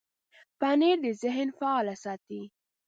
پنېر د ذهن فعاله ساتي.